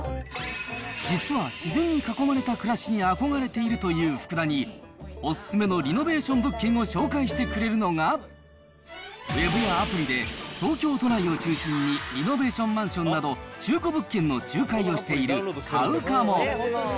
実は自然に囲まれた暮らしに憧れているという福田に、おすすめのリノベーション物件を紹介してくれるのが、ウェブやアプリで東京都内を中心に、リノベーションマンションなど中古物件の仲介をしている、カウカモ。